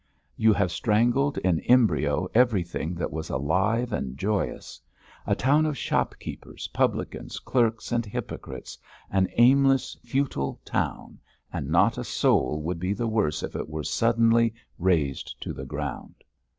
You have strangled in embryo everything that was alive and joyous! A town of shopkeepers, publicans, clerks, and hypocrites, an aimless, futile town, and not a soul would be the worse if it were suddenly razed to the ground."